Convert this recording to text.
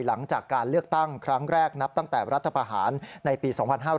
หลังจากการเลือกตั้งครั้งแรกนับตั้งแต่รัฐประหารในปี๒๕๕๙